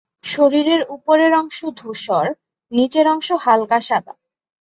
শরীরের উপরের অংশের রং ধূসর, নিচের অংশ হালকা সাদা।